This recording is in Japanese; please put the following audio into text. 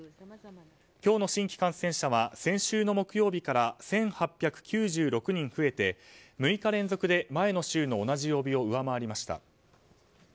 今日の新規感染者は先週の木曜日から１８９６人増え６日連続で前の週の同じ曜日を上回りました。